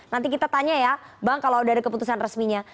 nanti kita tanya ya bang kalau udah ada keputusan resminya